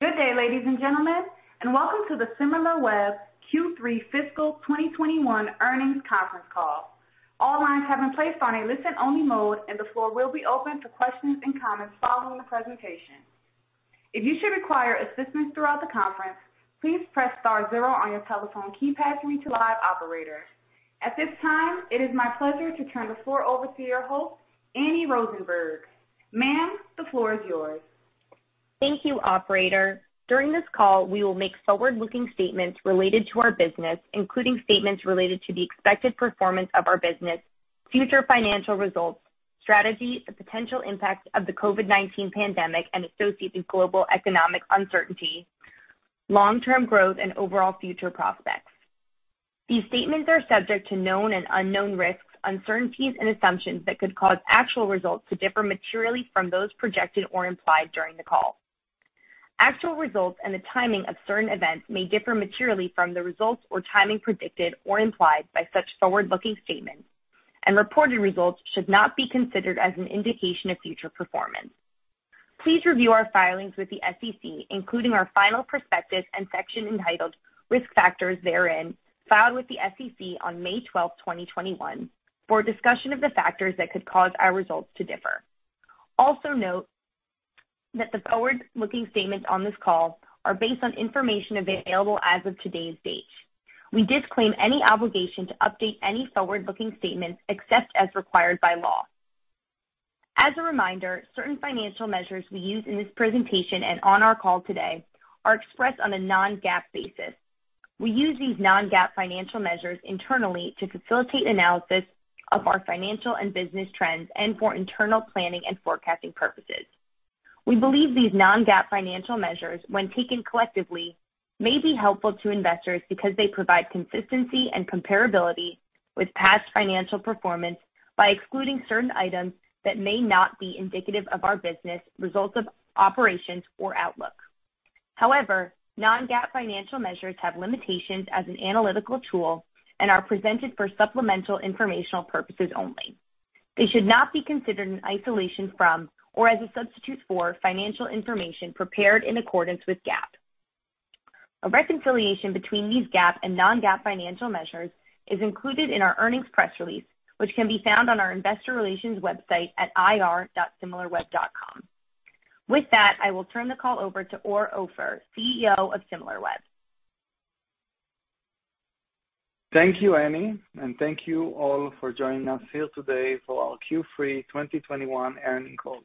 Good day, ladies and gentlemen, and welcome to the Similarweb Q3 fiscal 2021 earnings conference call. All lines have been placed on a listen-only mode, and the floor will be open for questions and comments following the presentation. If you should require assistance throughout the conference, please press star zero on your telephone keypad to reach a live operator. At this time, it is my pleasure to turn the floor over to your host, Annie Rosenberg. Ma'am, the floor is yours. Thank you, operator. During this call, we will make forward-looking statements related to our business, including statements related to the expected performance of our business, future financial results, strategy, the potential impact of the COVID-19 pandemic and associated global economic uncertainty, long-term growth and overall future prospects. These statements are subject to known and unknown risks, uncertainties and assumptions that could cause actual results to differ materially from those projected or implied during the call. Actual results and the timing of certain events may differ materially from the results or timing predicted or implied by such forward-looking statements, and reported results should not be considered as an indication of future performance. Please review our filings with the SEC, including our final prospectus and section entitled Risk Factors therein, filed with the SEC on May 12, 2021 for a discussion of the factors that could cause our results to differ. Note that the forward-looking statements on this call are based on information available as of today's date. We disclaim any obligation to update any forward-looking statements except as required by law. As a reminder, certain financial measures we use in this presentation and on our call today are expressed on a non-GAAP basis. We use these non-GAAP financial measures internally to facilitate analysis of our financial and business trends and for internal planning and forecasting purposes. We believe these non-GAAP financial measures, when taken collectively, may be helpful to investors because they provide consistency and comparability with past financial performance by excluding certain items that may not be indicative of our business results of operations or outlook. However, non-GAAP financial measures have limitations as an analytical tool and are presented for supplemental informational purposes only. They should not be considered in isolation from or as a substitute for financial information prepared in accordance with GAAP. A reconciliation between these GAAP and non-GAAP financial measures is included in our earnings press release, which can be found on our investor relations website at ir.similarweb.com. With that, I will turn the call over to Or Offer, CEO of Similarweb. Thank you, Annie. Thank you all for joining us here today for our Q3 2021 earnings call.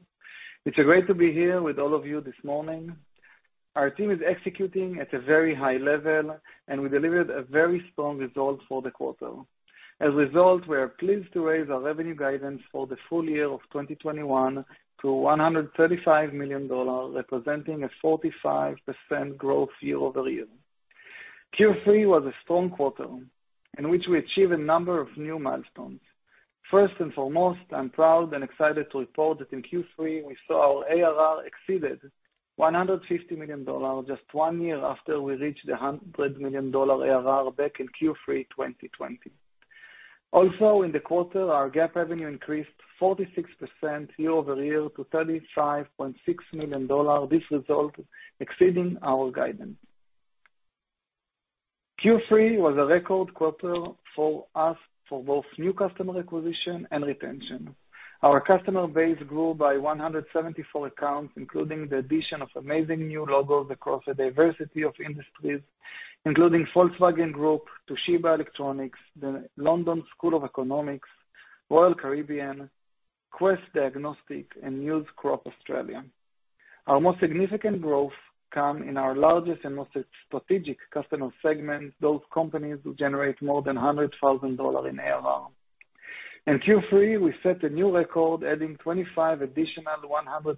It's great to be here with all of you this morning. Our team is executing at a very high level, and we delivered a very strong result for the quarter. As a result, we are pleased to raise our revenue guidance for the full year of 2021 to $135 million, representing 45% growth year-over-year. Q3 was a strong quarter in which we achieved a number of new milestones. First and foremost, I'm proud and excited to report that in Q3 we saw our ARR exceeded $150 million just one year after we reached a $100 million ARR back in Q3 2020. In the quarter, our GAAP revenue increased 46% year-over-year to $35.6 million. This result, exceeding our guidance. Q3 was a record quarter for us for both new customer acquisition and retention. Our customer base grew by 174 accounts, including the addition of amazing new logos across a diversity of industries, including Volkswagen Group, Toshiba Electronics, the London School of Economics, Royal Caribbean, Quest Diagnostics, and News Corp Australia. Our most significant growth come in our largest and most strategic customer segments, those companies who generate more than $100,000 in ARR. In Q3, we set a new record, adding 25 additional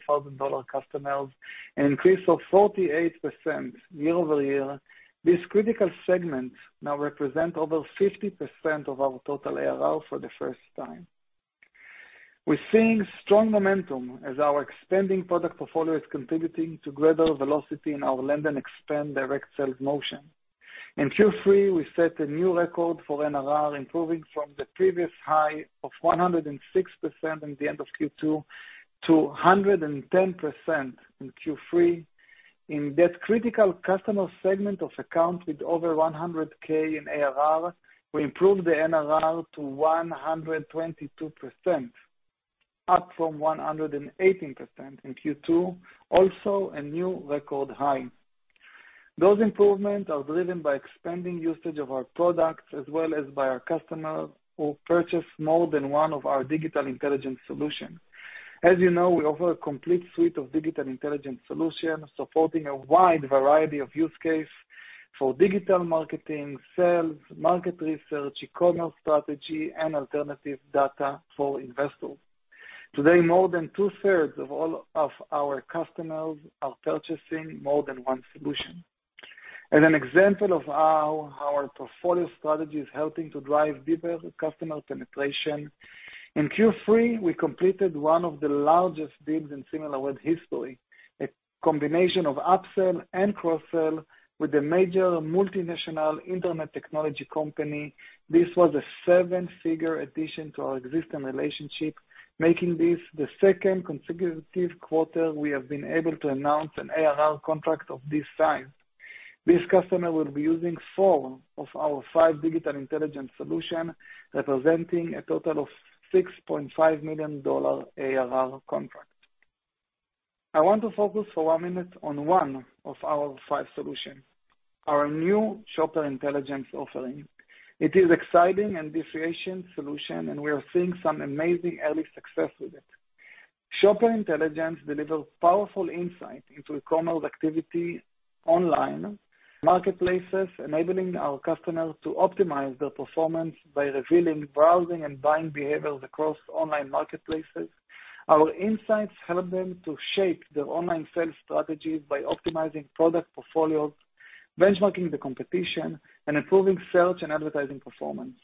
$100,000 customers, an increase of 48% year-over-year. This critical segment now represent over 50% of our total ARR for the first time. We're seeing strong momentum as our expanding product portfolio is contributing to greater velocity in our land and expand direct sales motion. In Q3, we set a new record for NRR, improving from the previous high of 106% in the end of Q2 to 110% in Q3. In that critical customer segment of accounts with over $100,000 in ARR, we improved the NRR to 122%, up from 118% in Q2, also a new record high. Those improvements are driven by expanding usage of our products as well as by our customers who purchase more than one of our digital intelligence solutions. As you know, we offer a complete suite of digital intelligence solutions, supporting a wide variety of use cases for digital marketing, sales, market research, e-commerce strategy, and alternative data for investors. Today, more than 2/3 of all of our customers are purchasing more than one solution. As an example of how our portfolio strategy is helping to drive deeper customer penetration, in Q3, we completed one of the largest deals in Similarweb history, a combination of upsell and cross-sell with a major multinational internet technology company. This was a seven-figure addition to our existing relationship, making this the second consecutive quarter we have been able to announce an ARR contract of this size. This customer will be using four of our five digital intelligence solutions, representing a total of $6.5 million ARR contract. I want to focus for one minute on one of our five solutions, our new Shopper Intelligence offering. It is exciting and differentiated solution, and we are seeing some amazing early success with it. Shopper Intelligence delivers powerful insights into e-commerce activity, online marketplaces, enabling our customers to optimize their performance by revealing browsing and buying behaviors across online marketplaces. Our insights help them to shape their online sales strategy by optimizing product portfolios, benchmarking the competition, and improving search and advertising performance.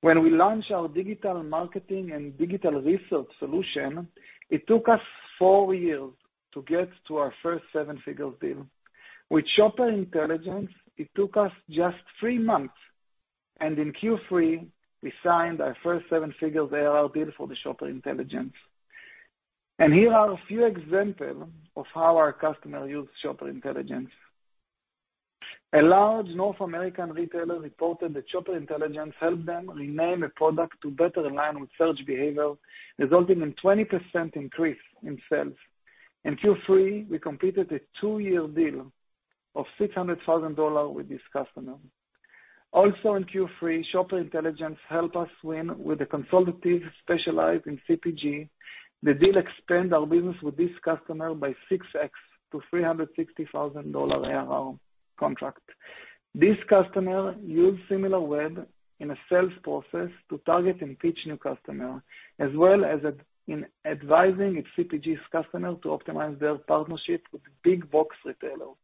When we launched our digital marketing and digital research solution, it took us four years to get to our first seven-figure deal. With Shopper Intelligence, it took us just three months, and in Q3, we signed our first seven-figure ARR deal for the Shopper Intelligence. Here are a few examples of how our customers use Shopper Intelligence. A large North American retailer reported that Shopper Intelligence helped them rename a product to better align with search behavior, resulting in 20% increase in sales. In Q3, we completed a two-year deal of $600,000 with this customer. Also in Q3, Shopper Intelligence helped us win with a consultative sale specialized in CPG. The deal expand our business with this customer by 6x to $360,000 ARR contract. This customer use Similarweb in a sales process to target and pitch new customer, as well as in advising its CPG customer to optimize their partnership with big box retailers.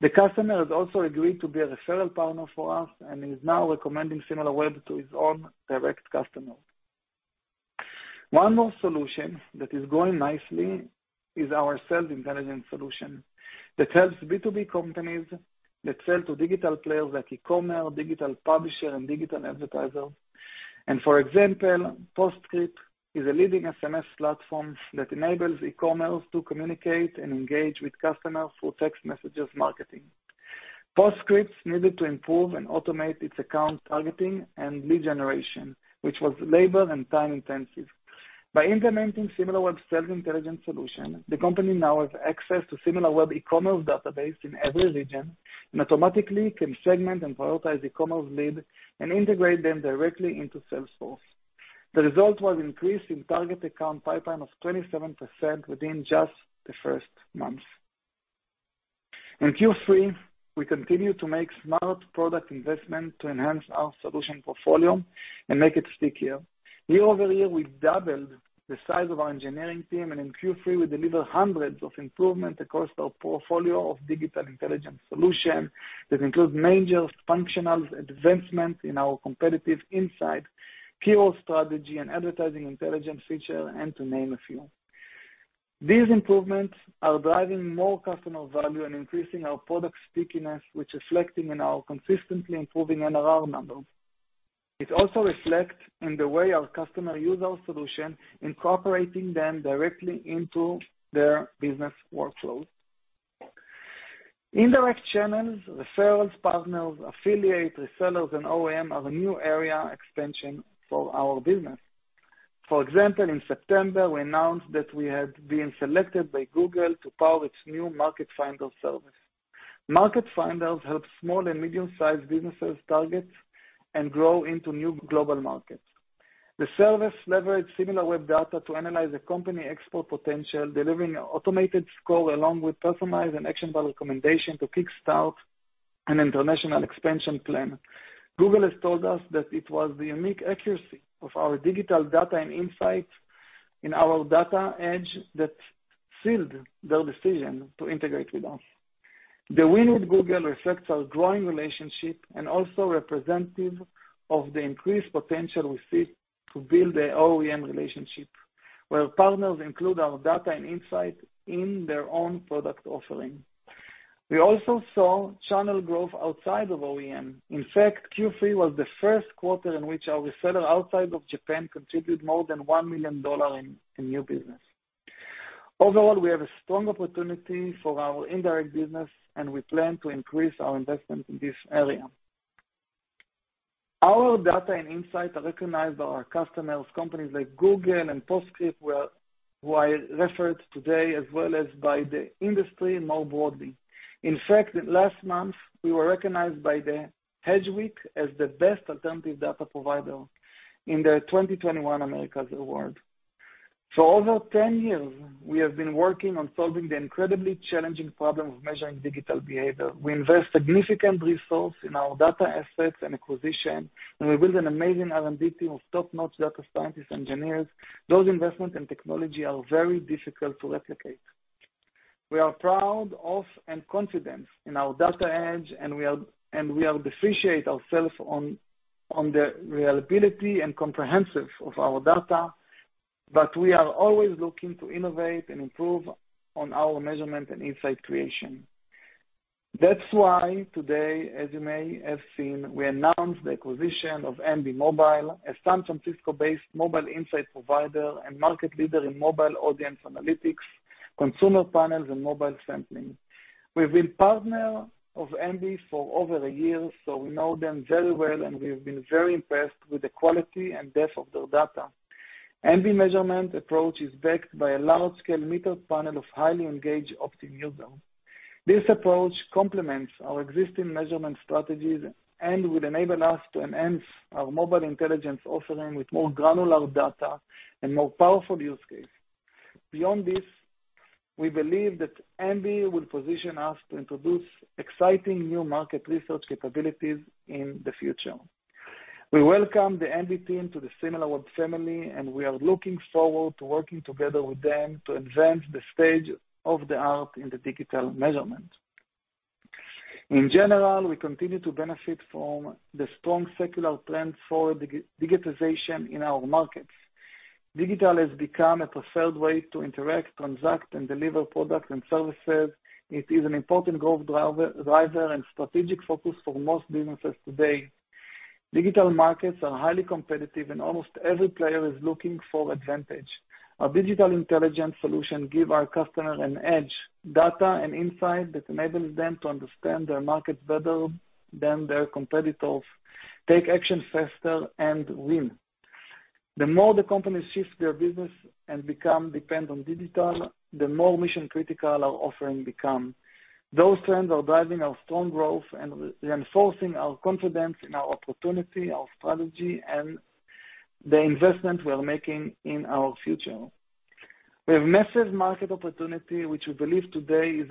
The customer has also agreed to be a referral partner for us and is now recommending Similarweb to his own direct customer. One more solution that is growing nicely is our Sales Intelligence solution that helps B2B companies that sell to digital players like e-commerce, digital publisher, and digital advertisers. For example, Postscript is a leading SMS platform that enables e-commerce to communicate and engage with customers through text messages marketing. Postscript needed to improve and automate its account targeting and lead generation, which was labor and time intensive. By implementing Similarweb Sales Intelligence solution, the company now have access to Similarweb e-commerce database in every region and automatically can segment and prioritize e-commerce lead and integrate them directly into Salesforce. The result was increase in target account pipeline of 27% within just the first month. In Q3, we continue to make smart product investment to enhance our solution portfolio and make it stickier. Year-over-year, we've doubled the size of our engineering team, and in Q3 we delivered hundreds of improvements across our portfolio of digital intelligence solutions that include major functional advancements in our competitive insight, PO strategy and advertising intelligence features, to name a few. These improvements are driving more customer value and increasing our product stickiness, which reflecting in our consistently improving NRR numbers. It also reflect in the way our customers use our solutions, incorporating them directly into their business workflows. Indirect channels, referrals, partners, affiliates, resellers, and OEM are a new area expansion for our business. For example, in September, we announced that we had been selected by Google to power its new Market Finder service. Market Finder helps small and medium-sized businesses target and grow into new global markets. The service leverage Similarweb data to analyze the company export potential, delivering automated score along with customized and actionable recommendation to kickstart an international expansion plan. Google has told us that it was the unique accuracy of our digital data and insights in our data edge that sealed their decision to integrate with us. The win with Google reflects our growing relationship and also representative of the increased potential we see to build the OEM relationship, where partners include our data and insight in their own product offering. We also saw channel growth outside of OEM. In fact, Q3 was the first quarter in which our reseller outside of Japan contributed more than $1 million in new business. Overall, we have a strong opportunity for our indirect business and we plan to increase our investment in this area. Our data and insight are recognized by our customers. Companies like Google and Postscript were referred today as well as by the industry more broadly. In fact, last month we were recognized by the Hedgeweek as the best alternative data provider in the 2021 Americas Award. For over 10 years, we have been working on solving the incredibly challenging problem of measuring digital behavior. We invest significant resources in our data assets and acquisition, and we build an amazing R&D team of top-notch data scientists, engineers. Those investments and technologies are very difficult to replicate. We are proud of and confident in our data edge, and we differentiate ourselves on the reliability and comprehensiveness of our data. We are always looking to innovate and improve on our measurement and insight creation. That's why today, as you may have seen, we announced the acquisition of Embee Mobile, a San Francisco-based mobile insights provider and market leader in mobile audience analytics, consumer panels and mobile sampling. We've been partner of Embee for over a year, so we know them very well, and we have been very impressed with the quality and depth of their data. Embee measurement approach is backed by a large-scale meter panel of highly engaged opt-in users. This approach complements our existing measurement strategies and will enable us to enhance our mobile intelligence offering with more granular data and more powerful use case. Beyond this, we believe that Embee will position us to introduce exciting new market research capabilities in the future. We welcome the Embee team to the Similarweb family, and we are looking forward to working together with them to advance the state of the art in the digital measurement. In general, we continue to benefit from the strong secular trend for digitization in our markets. Digital has become a preferred way to interact, transact, and deliver products and services. It is an important growth driver and strategic focus for most businesses today. Digital markets are highly competitive and almost every player is looking for advantage. Our digital intelligence solution give our customers an edge, data and insight that enables them to understand their market better than their competitors, take action faster and win. The more the company shifts their business and become dependent on digital, the more mission-critical our offering become. Those trends are driving our strong growth and reinforcing our confidence in our opportunity, our strategy, and the investment we are making in our future. We have massive market opportunity, which we believe today is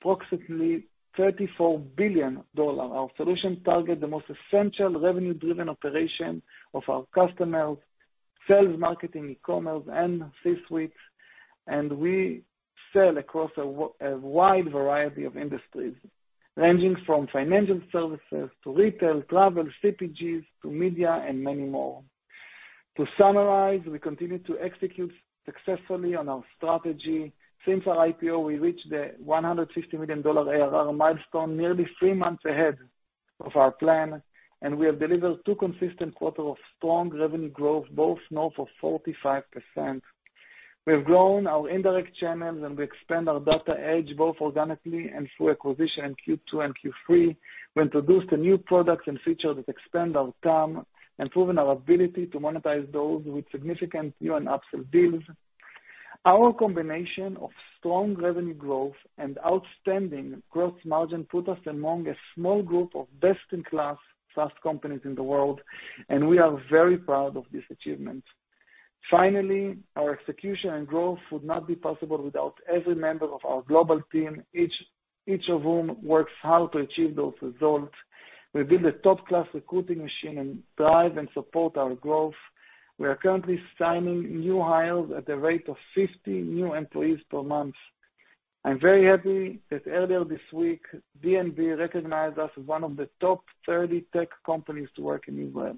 approximately $34 billion. Our solution targets the most essential revenue-driven operations of our customers, sales, marketing, e-commerce, and C-suites. We sell across a wide variety of industries, ranging from financial services to retail, travel, CPGs to media and many more. To summarize, we continue to execute successfully on our strategy. Since our IPO, we reached the $150 million ARR milestone nearly three months ahead of our plan, and we have delivered two consistent quarters of strong revenue growth, both north of 45%. We have grown our indirect channels, and we expand our data edge both organically and through acquisition in Q2 and Q3. We introduced a new product and feature that expand our team and proven our ability to monetize those with significant new and upsell deals. Our combination of strong revenue growth and outstanding growth margin put us among a small group of best-in-class SaaS companies in the world, and we are very proud of this achievement. Finally, our execution and growth would not be possible without every member of our global team, each of whom works hard to achieve those results. We build a top-class recruiting machine and drive and support our growth. We are currently signing new hires at the rate of 50 new employees per month. I'm very happy that earlier this week, D&B recognized us as one of the top 30 tech companies to work in Israel.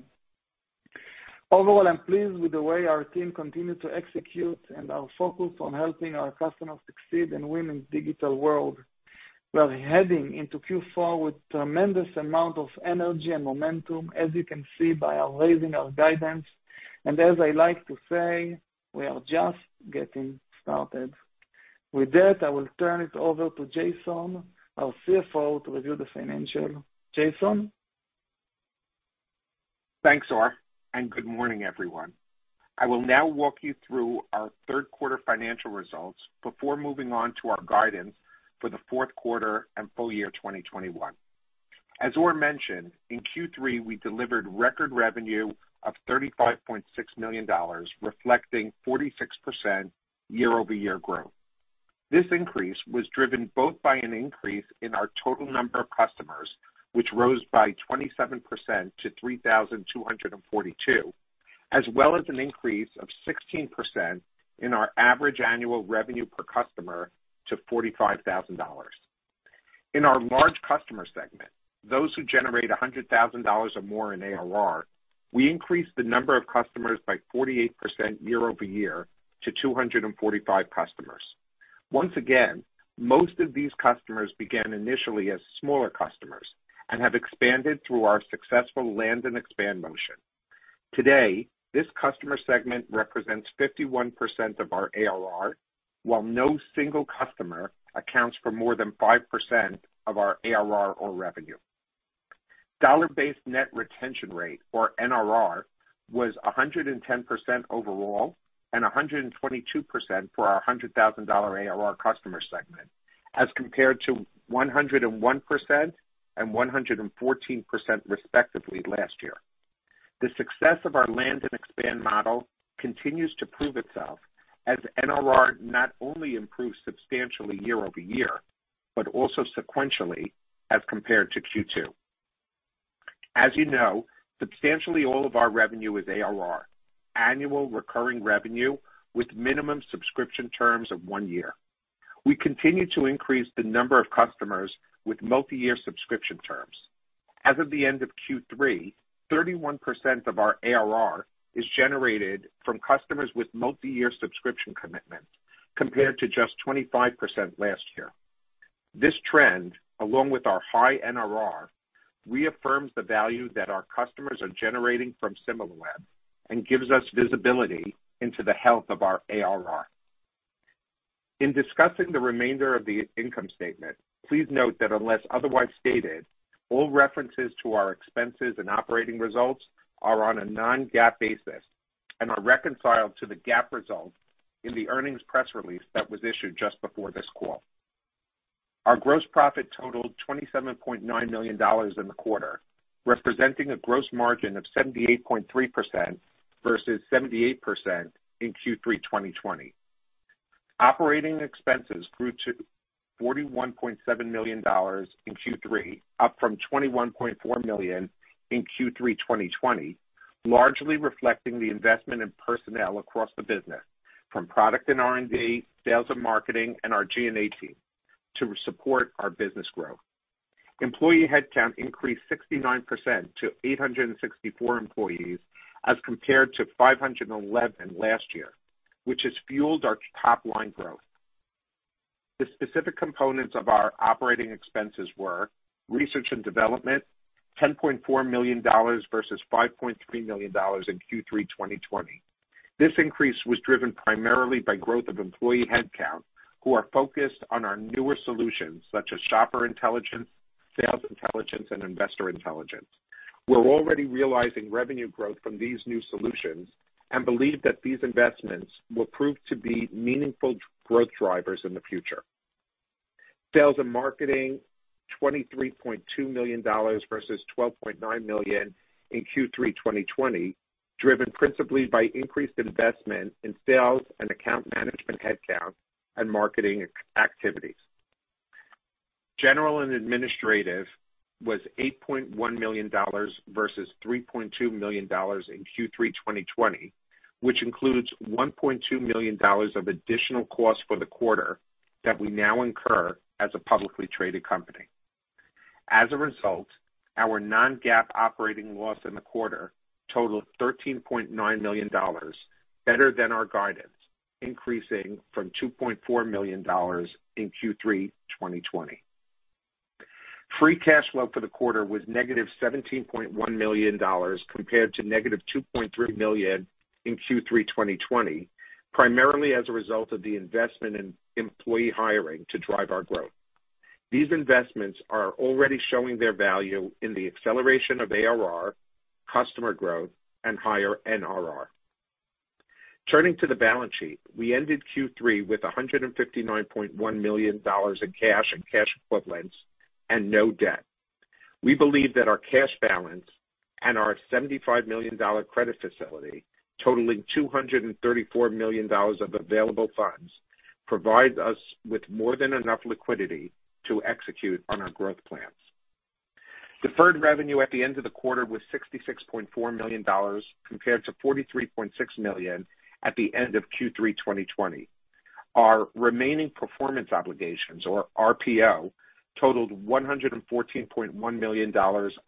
Overall, I'm pleased with the way our team continued to execute and our focus on helping our customers succeed and win in digital world. We are heading into Q4 with tremendous amount of energy and momentum, as you can see by raising our guidance. As I like to say, we are just getting started. With that, I will turn it over to Jason, our CFO, to review the financial. Jason? Thanks, Or. Good morning, everyone. I will now walk you through our third quarter financial results before moving on to our guidance for the fourth quarter and full year 2021. As Or mentioned, in Q3, we delivered record revenue of $35.6 million, reflecting 46% year-over-year growth. This increase was driven both by an increase in our total number of customers, which rose by 27% to 3,242, as well as an increase of 16% in our average annual revenue per customer to $45,000. In our large customer segment, those who generate $100,000 or more in ARR, we increased the number of customers by 48% year-over-year to 245 customers. Once again, most of these customers began initially as smaller customers and have expanded through our successful land and expand motion. Today, this customer segment represents 51% of our ARR, while no single customer accounts for more than 5% of our ARR or revenue. Dollar-based net retention rate, or NRR, was 110% overall and 122% for our $100,000 ARR customer segment, as compared to 101% and 114%, respectively, last year. The success of our land and expand model continues to prove itself, as NRR not only improves substantially year-over-year, but also sequentially as compared to Q2. As you know, substantially all of our revenue is ARR, annual recurring revenue with minimum subscription terms of one year. We continue to increase the number of customers with multi-year subscription terms. As of the end of Q3, 31% of our ARR is generated from customers with multi-year subscription commitment, compared to just 25% last year. This trend, along with our high NRR, reaffirms the value that our customers are generating from Similarweb and gives us visibility into the health of our ARR. In discussing the remainder of the income statement, please note that unless otherwise stated, all references to our expenses and operating results are on a non-GAAP basis and are reconciled to the GAAP result in the earnings press release that was issued just before this call. Our gross profit totaled $27.9 million in the quarter, representing a gross margin of 78.3% versus 78% in Q3 2020. Operating expenses grew to $41.7 million in Q3, up from $21.4 million in Q3 2020, largely reflecting the investment in personnel across the business, from product and R&D, sales and marketing, and our G&A team to support our business growth. Employee headcount increased 69% to 864 employees as compared to 511 last year, which has fueled our top line growth. The specific components of our operating expenses were research and development, $10.4 million versus $5.3 million in Q3 2020. This increase was driven primarily by growth of employee headcount, who are focused on our newer solutions such as Shopper Intelligence, Sales Intelligence, and Investor Intelligence. We're already realizing revenue growth from these new solutions and believe that these investments will prove to be meaningful growth drivers in the future. Sales and marketing, $23.2 million versus $12.9 million in Q3 2020, driven principally by increased investment in sales and account management headcount and marketing activities. General and administrative was $8.1 million versus $3.2 million in Q3 2020, which includes $1.2 million of additional costs for the quarter that we now incur as a publicly traded company. As a result, our non-GAAP operating loss in the quarter totaled $13.9 million, better than our guidance, increasing from $2.4 million in Q3 2020. Free cash flow for the quarter was $-17.1 million compared to $-2.3 million in Q3 2020, primarily as a result of the investment in employee hiring to drive our growth. These investments are already showing their value in the acceleration of ARR, customer growth, and higher NRR. Turning to the balance sheet, we ended Q3 with $159.1 million in cash and cash equivalents and no debt. We believe that our cash balance and our $75 million credit facility, totaling $234 million of available funds, provides us with more than enough liquidity to execute on our growth plans. Deferred revenue at the end of the quarter was $66.4 million compared to $43.6 million at the end of Q3 2020. Our remaining performance obligations, or RPO, totaled $114.1 million,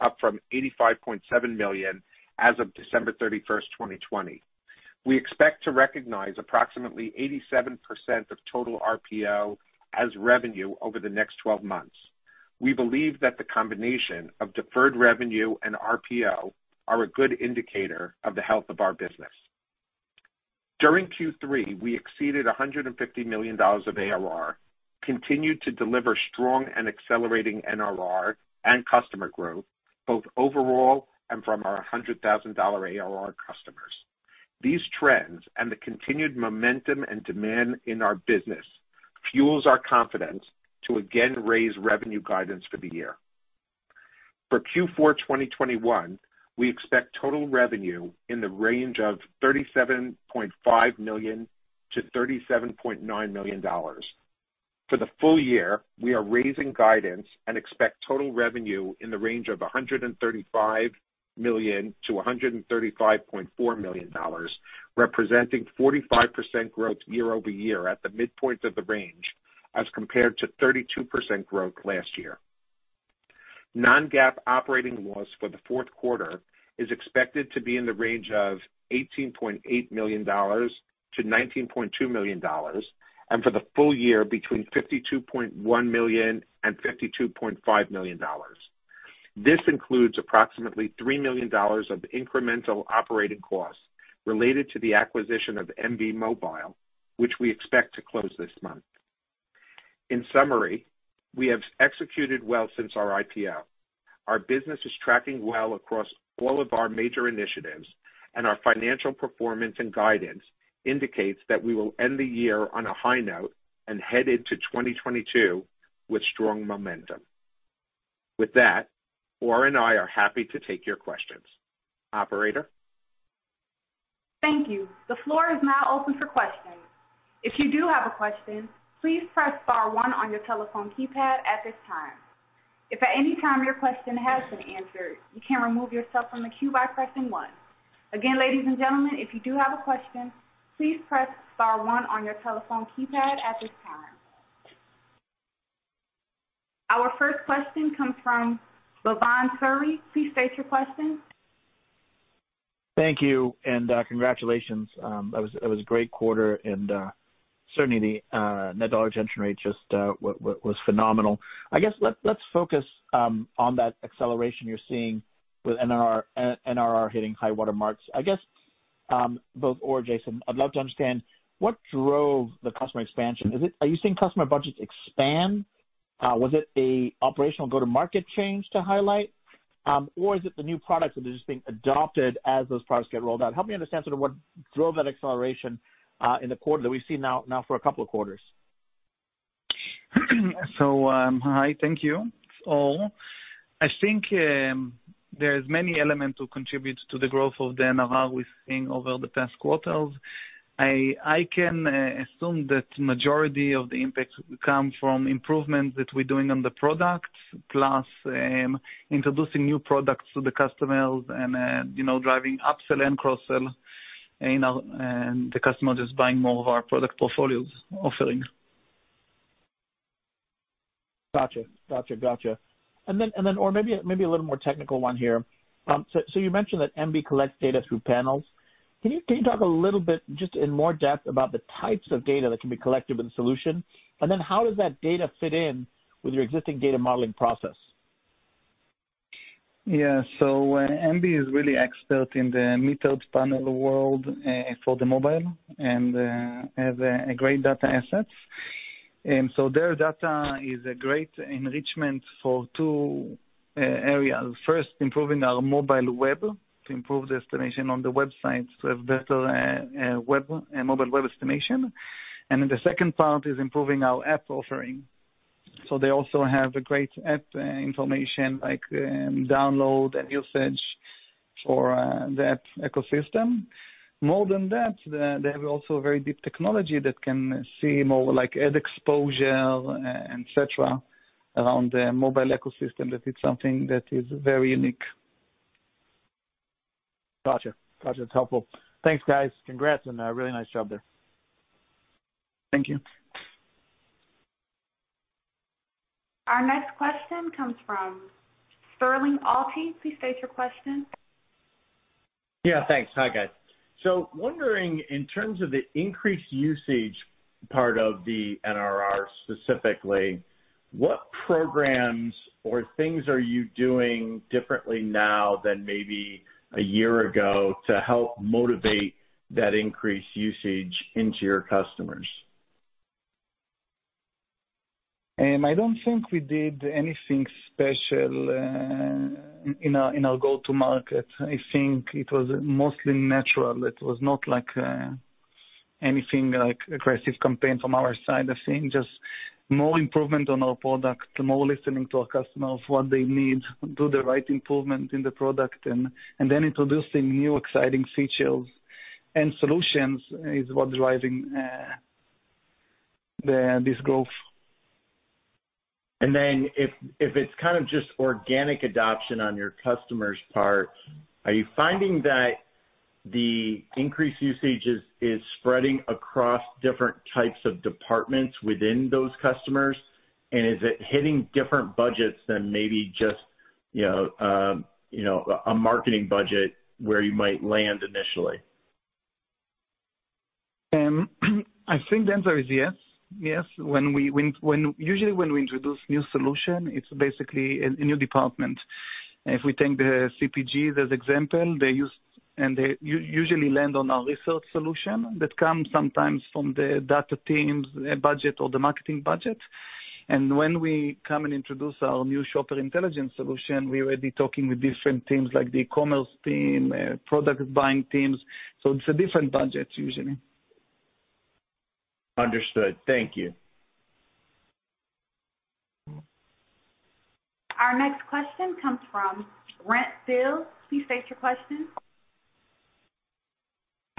up from $85.7 million as of December 31st, 2020. We expect to recognize approximately 87% of total RPO as revenue over the next twelve months. We believe that the combination of deferred revenue and RPO are a good indicator of the health of our business. During Q3, we exceeded $150 million of ARR, continued to deliver strong and accelerating NRR and customer growth, both overall and from our $100,000 ARR customers. These trends and the continued momentum and demand in our business fuels our confidence to again raise revenue guidance for the year. For Q4 2021, we expect total revenue in the range of $37.5 million-$37.9 million. For the full year, we are raising guidance and expect total revenue in the range of $135 million-$135.4 million, representing 45% growth year-over-year at the midpoint of the range as compared to 32% growth last year. non-GAAP operating loss for the fourth quarter is expected to be in the range of $18.8 million-$19.2 million and for the full year between $52.1 million and $52.5 million. This includes approximately $3 million of incremental operating costs related to the acquisition of Embee Mobile, which we expect to close this month. In summary, we have executed well since our IPO. Our business is tracking well across all of our major initiatives, and our financial performance and guidance indicates that we will end the year on a high note and head into 2022 with strong momentum. With that, Or and I are happy to take your questions. Operator? Thank you. The floor is now open for questions. If you do have a question, please press star one on your telephone keypad at this time. If at any time your question has been answered, you can remove yourself from the queue by pressing one. Again, ladies and gentlemen, if you do have a question, please press star one on your telephone keypad at this time. Our first question comes from Bhavan Suri. Please state your question. Thank you and congratulations. That was a great quarter, and certainly the net dollar retention rate just was phenomenal. I guess let's focus on that acceleration you're seeing with NRR hitting high water marks. I guess both Or, Jason, I'd love to understand what drove the customer expansion. Is it? Are you seeing customer budgets expand? Was it an operational go-to-market change to highlight? Or is it the new products that are just being adopted as those products get rolled out? Help me understand sort of what drove that acceleration in the quarter that we've seen now for a couple of quarters. Hi, thank you, Or. I think there's many elements who contribute to the growth of the NRR we're seeing over the past quarters. I can assume that majority of the impact come from improvements that we're doing on the products, plus introducing new products to the customers and you know driving upsell and cross-sell, you know, and the customer just buying more of our product portfolios offerings. Gotcha. Or, maybe a little more technical one here. So you mentioned that Embee collects data through panels. Can you talk a little bit just in more depth about the types of data that can be collected in the solution? How does that data fit in with your existing data modeling process? Yeah. Embee is really expert in the metered panel world for the mobile and have a great data assets. Their data is a great enrichment for two areas. First, improving our mobile web to improve the estimation on the websites to have better mobile web estimation. The second part is improving our app offering. They also have a great app information like download and usage for that ecosystem. More than that, they have also very deep technology that can see more like ad exposure and etc around the mobile ecosystem. That it's something that is very unique. Gotcha. It's helpful. Thanks, guys. Congrats on a really nice job there. Thank you. Our next question comes from Sterling Auty. Please state your question. Yeah. Thanks. Hi, guys. Wondering in terms of the increased usage part of the NRR specifically, what programs or things are you doing differently now than maybe a year ago to help motivate that increased usage into your customers? I don't think we did anything special in our go-to-market. I think it was mostly natural. It was not like anything like aggressive campaign from our side of things, just more improvement on our product, more listening to our customers, what they need, do the right improvement in the product and then introducing new exciting features and solutions is what driving this growth. If it's kind of just organic adoption on your customers' part, are you finding that the increased usage is spreading across different types of departments within those customers? Is it hitting different budgets than maybe just, you know, a marketing budget where you might land initially? I think the answer is yes. Yes. When we introduce new solution, it's basically a new department. If we take the CPG as example, they usually land on our research solution that comes sometimes from the data team's budget or the marketing budget. When we come and introduce our new Shopper Intelligence solution, we will be talking with different teams like the commerce team, product buying teams. It's a different budget usually. Understood. Thank you. Our next question comes from Brent Thill. Please state your question.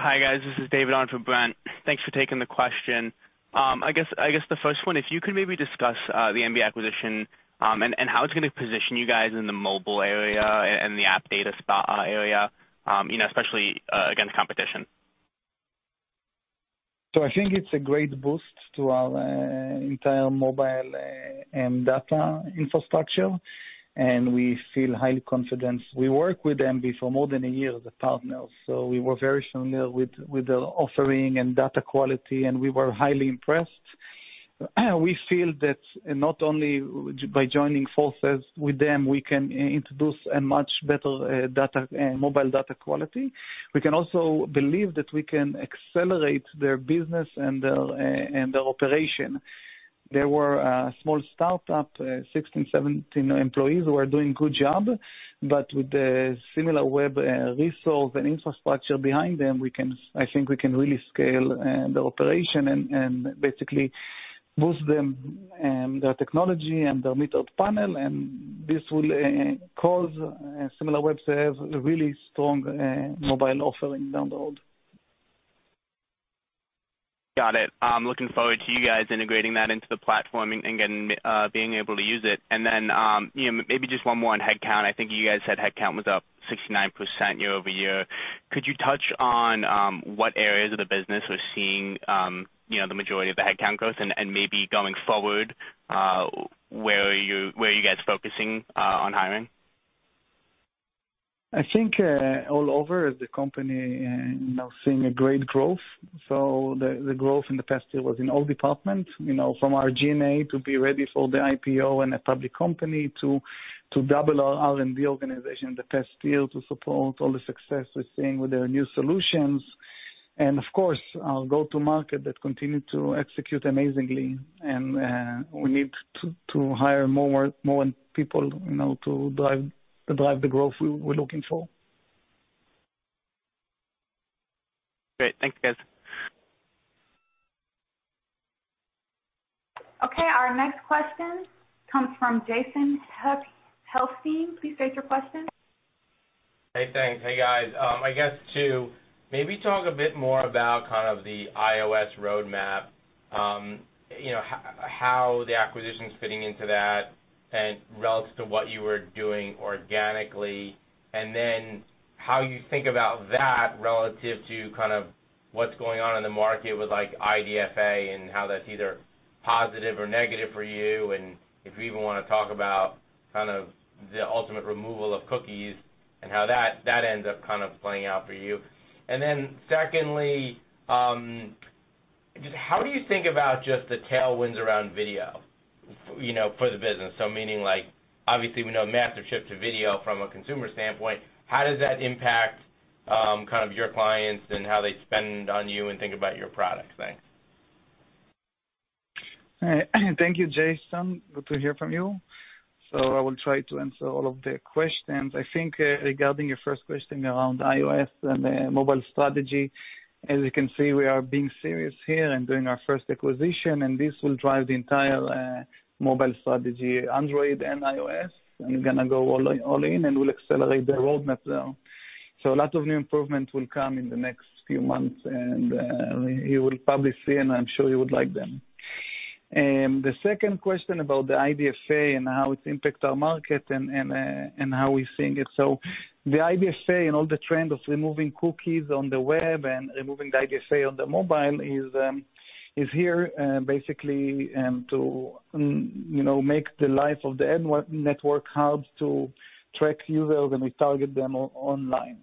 Hi, guys. This is David on for Brent. Thanks for taking the question. I guess the first one, if you could maybe discuss the Embee acquisition, and how it's gonna position you guys in the mobile area and the app data space, you know, especially against competition. I think it's a great boost to our entire mobile and data infrastructure, and we feel high confidence. We work with Embee for more than a year as partners, so we were very familiar with the offering and data quality, and we were highly impressed. We feel that not only by joining forces with them, we can introduce a much better data mobile data quality. We can also believe that we can accelerate their business and their operation. They were a small startup, 16, 17 employees who are doing good job, but with the Similarweb resource and infrastructure behind them, we can. I think we can really scale their operation and basically boost them their technology and their metered panel, and this will cause Similarweb to have a really strong mobile offering down the road. Got it. I'm looking forward to you guys integrating that into the platform and being able to use it. You know, maybe just one more on headcount. I think you guys said headcount was up 69% year-over-year. Could you touch on what areas of the business we're seeing you know, the majority of the headcount growth and maybe going forward where you guys are focusing on hiring? I think all over the company now seeing a great growth. The growth in the past year was in all departments, you know, from our G&A to be ready for the IPO and a public company to double our R&D organization the past year to support all the success we're seeing with their new solutions. We need to hire more people, you know, to drive the growth we're looking for. Great. Thanks, guys. Okay. Our next question comes from Jason Helfstein. Please state your question. Hey, thanks. Hey, guys. I guess to maybe talk a bit more about kind of the iOS roadmap, you know, how the acquisition is fitting into that and relative to what you were doing organically, and then how you think about that relative to kind of what's going on in the market with like IDFA and how that's either positive or negative for you, and if you even wanna talk about kind of the ultimate removal of cookies and how that ends up kind of playing out for you. Secondly, just how do you think about just the tailwinds around video, you know, for the business? Meaning like obviously we know massive shift to video from a consumer standpoint. How does that impact kind of your clients and how they spend on you and think about your products? Thanks. Thank you, Jason. Good to hear from you. I will try to answer all of the questions. I think, regarding your first question around iOS and mobile strategy, as you can see, we are being serious here and doing our first acquisition, and this will drive the entire mobile strategy, Android and iOS, and gonna go all in, and we'll accelerate their roadmap now. A lot of new improvements will come in the next few months and you will probably see, and I'm sure you would like them. The second question about the IDFA and how it impacts our market and how we're seeing it. The IDFA and all the trend of removing cookies on the web and removing the IDFA on the mobile is here to you know make the life of the ad network hard to track users and we target them online.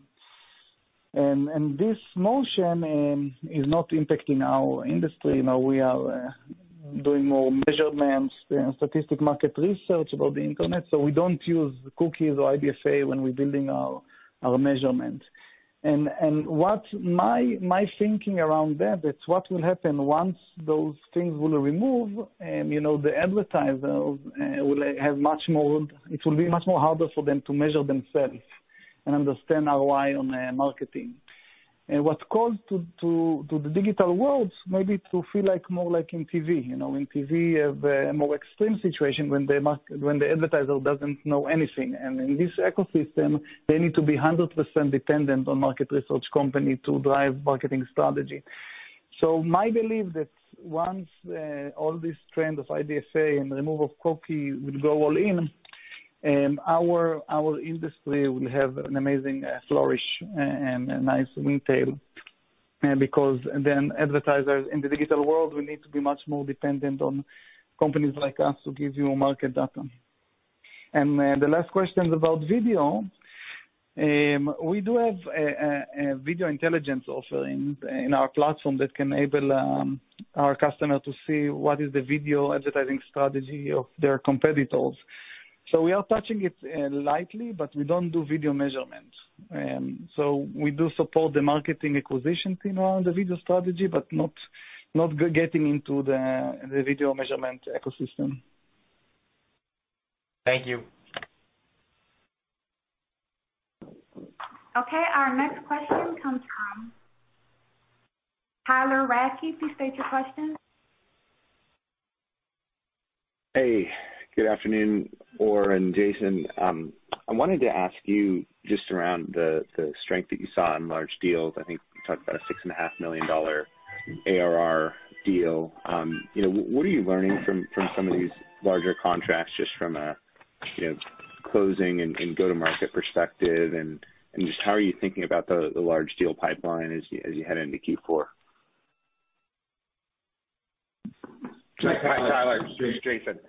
This motion is not impacting our industry. Now we are doing more measurements and statistical market research about the internet so we don't use cookies or IDFA when we're building our measurement. What my thinking around that is what will happen once those things will remove you know the advertisers will like have much more. It will be much more harder for them to measure themselves and understand ROI on their marketing. What's called to the digital worlds may be to feel like more like in TV. You know, in TV we have a more extreme situation when the advertiser doesn't know anything. In this ecosystem, they need to be 100% dependent on market research company to drive marketing strategy. My belief that once all this trend of IDFA and removal of cookie will go all in, our industry will have an amazing flourish and a nice tailwind because then advertisers in the digital world will need to be much more dependent on companies like us to give you market data. The last question is about video. We do have a video intelligence offering in our platform that can enable our customer to see what is the video advertising strategy of their competitors. We are touching it lightly, but we don't do video measurement. We do support the marketing acquisition team around the video strategy but not getting into the video measurement ecosystem. Thank you. Okay. Our next question comes from Tyler Radke. Please state your question. Hey, good afternoon, Or, Jason. I wanted to ask you just around the strength that you saw in large deals. I think you talked about a $6.5 million ARR deal. You know, what are you learning from some of these larger contracts just from a you know closing and go-to-market perspective, and just how are you thinking about the large deal pipeline as you head into Q4? Hi, Tyler. It's Jason.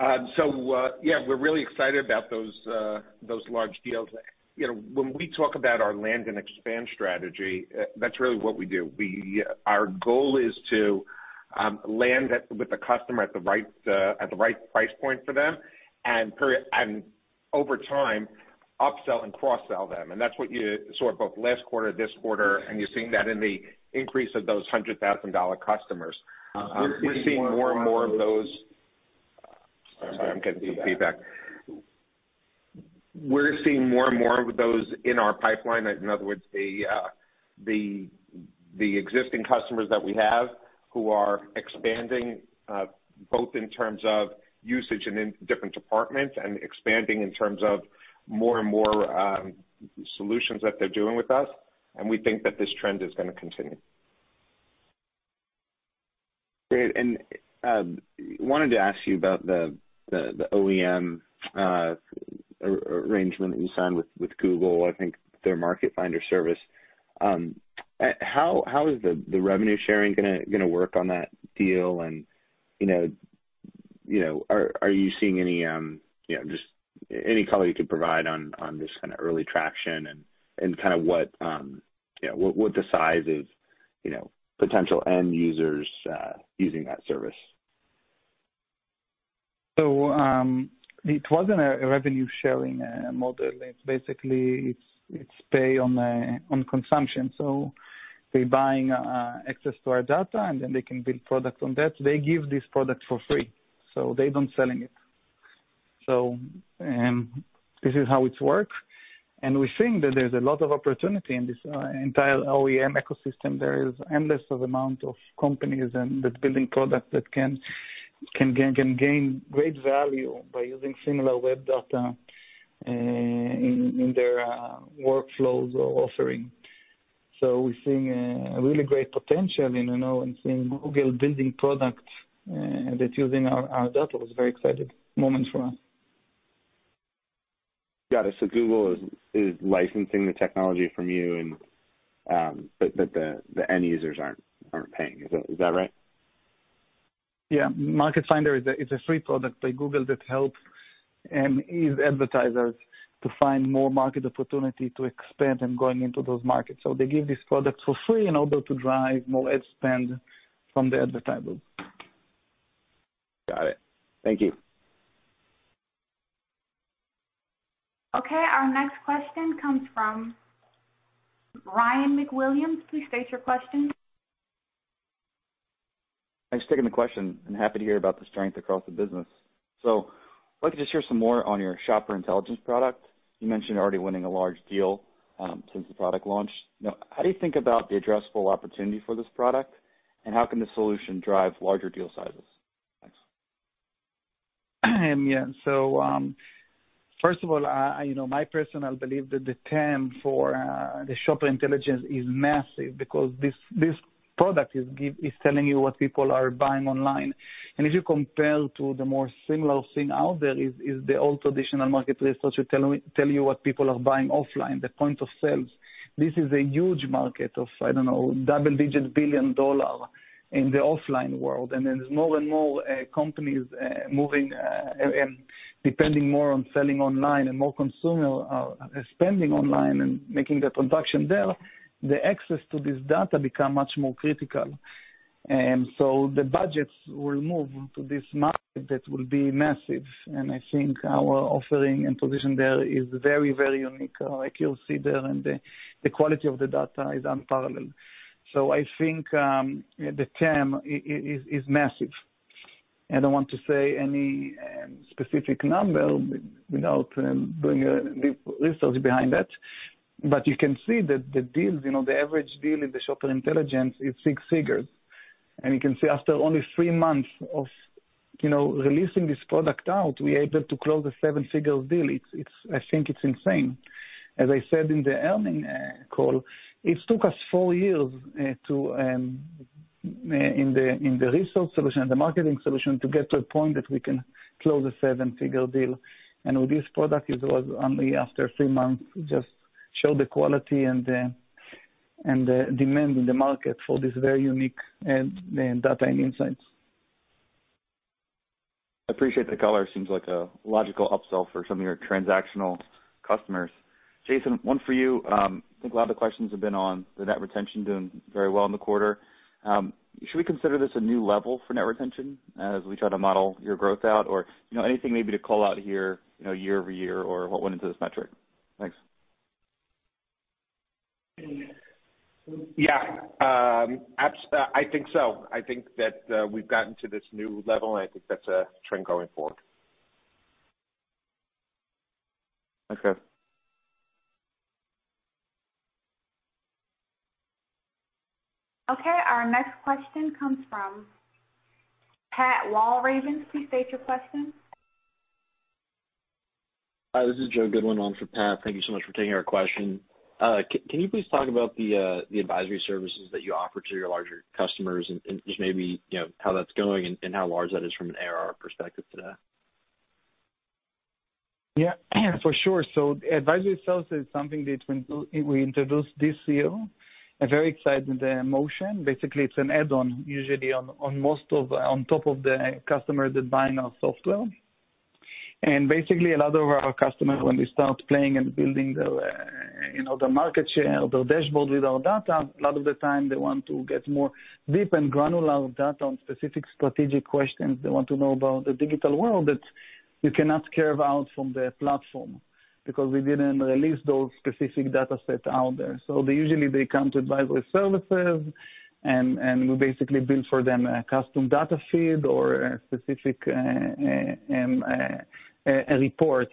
Yeah, we're really excited about those large deals. You know, when we talk about our land and expand strategy, that's really what we do. Our goal is to land with the customer at the right price point for them and over time, upsell and cross-sell them. That's what you saw both last quarter, this quarter, and you're seeing that in the increase of those $100,000 customers. We're seeing more and more of those in our pipeline. In other words, the existing customers that we have who are expanding both in terms of usage and in different departments and expanding in terms of more and more solutions that they're doing with us, and we think that this trend is gonna continue. Great. Wanted to ask you about the OEM arrangement that you signed with Google, I think their Market Finder service. How is the revenue sharing gonna work on that deal? You know, are you seeing any, you know, just any color you could provide on this kind of early traction and kind of what, you know, what the size is, you know, potential end users using that service? It wasn't a revenue sharing model. It's basically pay on consumption. They're buying access to our data, and then they can build products on that. They give this product for free, so they don't sell it. This is how it works. We think that there's a lot of opportunity in this entire OEM ecosystem. There is an endless amount of companies that are building products that can gain great value by using Similarweb data in their workflows or offering. We're seeing really great potential, you know, and seeing Google building products that's using our data was a very exciting moment for us. Got it. Google is licensing the technology from you but the end users aren't paying. Is that right? Yeah. Market Finder is a free product by Google that helps ease advertisers to find more market opportunity to expand and going into those markets. They give this product for free in order to drive more ad spend from the advertisers. Got it. Thank you. Okay. Our next question comes from Ryan MacWilliams. Please state your question. Thanks for taking the question, and happy to hear about the strength across the business. I'd like to just hear some more on your Shopper Intelligence product. You mentioned already winning a large deal, since the product launch. Now, how do you think about the addressable opportunity for this product, and how can this solution drive larger deal sizes? Thanks. Yeah. First of all, you know, my personal belief that the TAM for the Shopper Intelligence is massive because this product is telling you what people are buying online. If you compare to the most similar thing out there is the old traditional market research tell you what people are buying offline, the point of sale. This is a huge market of, I don't know, double-digit billion-dollar in the offline world. As more and more companies moving and depending more on selling online and more consumer are spending online and making the transaction there, the access to this data become much more critical. The budgets will move to this market that will be massive. I think our offering and position there is very, very unique. Like, you'll see there, and the quality of the data is unparalleled. I think the TAM is massive. I don't want to say any specific number without doing a deep research behind it. You can see that the deals, you know, the average deal in the Shopper Intelligence is six figures. You can see after only three months of, you know, releasing this product out, we are able to close a seven figure deal. It's. I think it's insane. As I said in the earnings call, it took us four years in the Sales Intelligence and the marketing solution to get to a point that we can close a seven figure deal. With this product, it was only after three months, just show the quality and the demand in the market for this very unique data and insights. I appreciate the color. Seems like a logical upsell for some of your transactional customers. Jason, one for you. I think a lot of the questions have been on the net retention doing very well in the quarter. Should we consider this a new level for net retention as we try to model your growth out? Or, you know, anything maybe to call out here, you know, year-over-year or what went into this metric? Thanks. I think so. I think that we've gotten to this new level, and I think that's a trend going forward. Okay. Okay. Our next question comes from Pat Walravens. Please state your question. Hi, this is Joe Goodwin on for Pat. Thank you so much for taking our question. Can you please talk about the advisory services that you offer to your larger customers and just maybe, you know, how that's going and how large that is from an ARR perspective today? Yeah. For sure. Advisory services is something that we introduced this year, a very exciting motion. Basically, it's an add-on usually on top of the customer that's buying our software. Basically a lot of our customers when they start playing and building their, you know, their market share, their dashboard with our data, a lot of the time they want to get more deep and granular data on specific strategic questions. They want to know about the digital world that you cannot carve out from the platform because we didn't release those specific datasets out there. They usually come to advisory services and we basically build for them a custom data feed or a specific report.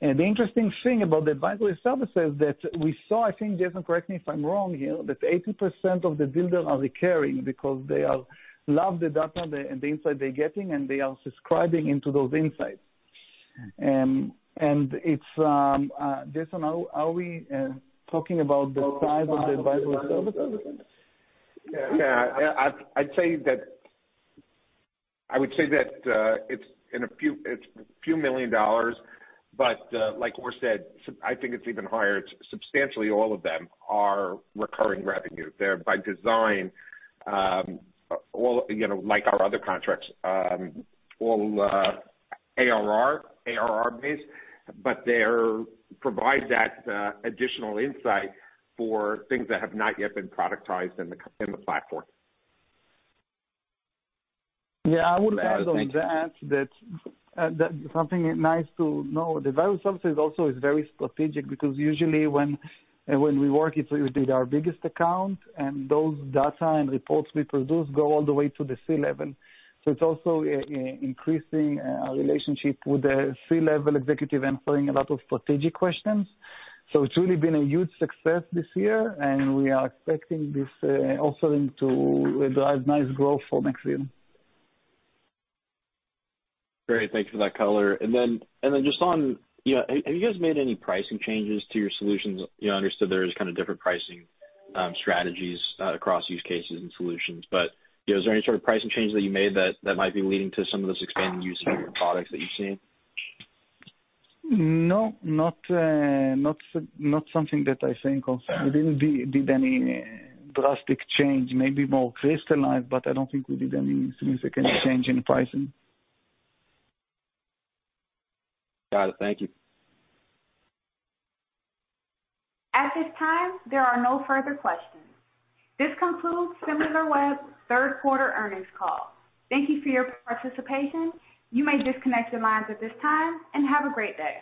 The interesting thing about the advisory services that we saw, I think, Jason, correct me if I'm wrong here, that 80% of the builders are recurring because they love the data and the insight they're getting, and they are subscribing into those insights. It's Jason, are we talking about the size of the advisory services? Yeah. I'd say that it's a few million dollars. But like Or said, I think it's even higher. Substantially all of them are recurring revenue. They're by design, you know, like our other contracts, all ARR based, but they provide that additional insight for things that have not yet been productized in the platform. Yeah. I would add on that's something nice to know, the value services also is very strategic because usually when we work with our biggest accounts and those data and reports we produce go all the way to the C-level. It's also increasing relationship with the C-level executive answering a lot of strategic questions. It's really been a huge success this year, and we are expecting this offering to drive nice growth for next year. Great. Thank you for that color. Then just on, you know, have you guys made any pricing changes to your solutions? You know, I understood there's kind of different pricing strategies across use cases and solutions. You know, is there any sort of pricing changes that you made that might be leading to some of this expanded usage of your products that you've seen? No. Not something that I think of. We didn't do any drastic change. Maybe more crystallized, but I don't think we did any significant change in pricing. Got it. Thank you. At this time, there are no further questions. This concludes Similarweb third quarter earnings call. Thank you for your participation. You may disconnect your lines at this time, and have a great day.